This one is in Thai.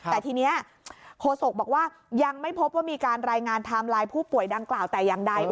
แต่ทีนี้โฆษกบอกว่ายังไม่พบว่ามีการรายงานไทม์ไลน์ผู้ป่วยดังกล่าวแต่อย่างใด